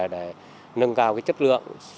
để nâng cao chất lượng